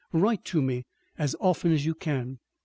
Write to me as often as you can.